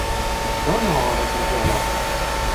Donora diena.